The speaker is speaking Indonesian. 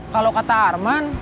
kalau kata arman